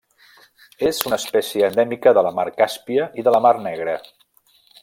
És una espècie endèmica de la Mar Càspia i de la Mar Negra.